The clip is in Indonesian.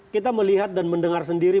kita melihat dan mendengar sendiri